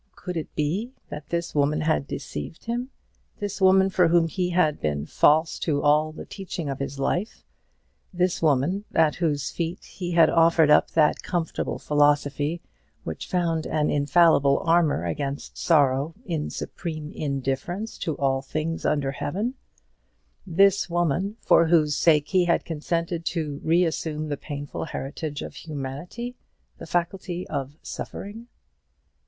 Could it be that this woman had deceived him, this woman for whom he had been false to all the teaching of his life, this woman, at whose feet he had offered up that comfortable philosophy which found an infallible armour against sorrow in supreme indifference to all things under heaven, this woman, for whose sake he had consented to reassume the painful heritage of humanity, the faculty of suffering?